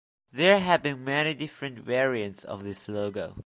There have been many different variants of this logo.